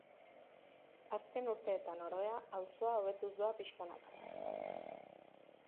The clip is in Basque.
Azken urteetan ordea, auzoa hobetuz doa pixkanaka.